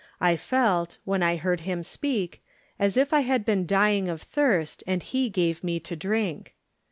I felt, when I heard him speak, as if I had been dying of thirst and he gave me to drink.